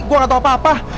gue gak tau apa apa